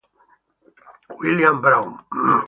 William Brown